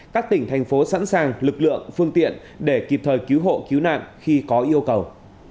các tỉnh thành phố sẵn sàng lực lượng phương tiện để kịp thời cứu hộ cứu nạn khi có yêu cầu